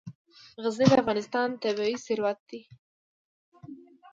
غزني د افغانستان طبعي ثروت دی.